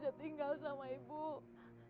jangan tinggalkan ibu aisyah